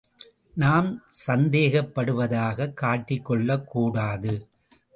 நாம் சந்தேகப்படுவதாகக் காட்டிக்கொள்ளக்கூடாது.